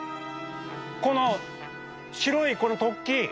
この白いこの突起！